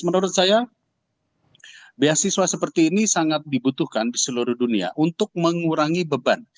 menurut saya beasiswa seperti ini sangat dibutuhkan di seluruh dunia untuk mengurangi beban